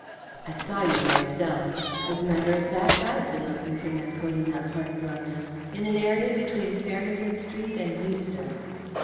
"I saw you myself. As a matter of fact, I have been looking for Nepcote in that part of London in an area between Farringdon Street and Euston."